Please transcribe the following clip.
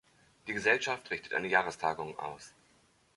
Die Gesellschaft richtet eine Jahrestagung aus.